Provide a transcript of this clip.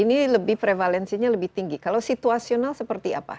ini lebih prevalensinya lebih tinggi kalau situasional seperti apa